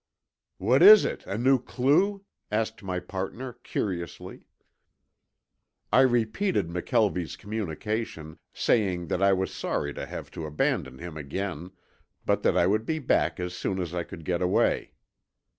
"What is it, a new clue?" asked my partner curiously. I repeated McKelvie's communication, saying that I was sorry to have to abandon him again, but that I would be back as soon as I could get away.